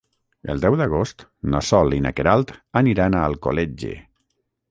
El deu d'agost na Sol i na Queralt aniran a Alcoletge.